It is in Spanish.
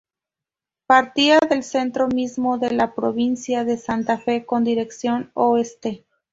Partía del centro mismo de la provincia de Santa Fe con dirección oeste.